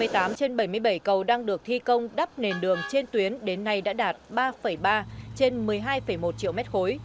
hai mươi tám trên bảy mươi bảy cầu đang được thi công đắp nền đường trên tuyến đến nay đã đạt ba ba trên một mươi hai một triệu mét khối